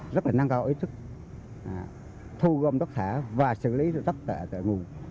rất là năng cao ý thức thu gom tốc thả và xử lý tốc thả tại nguồn